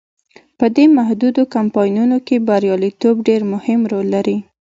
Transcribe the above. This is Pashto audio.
په دې محدودو کمپاینونو کې بریالیتوب ډیر مهم رول لري.